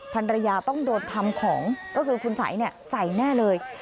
ภรรยาต้องโดนทำของก็คือคุณสัยใส่แน่เลย